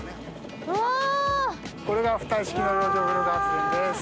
これが浮体式の洋上風力発電です。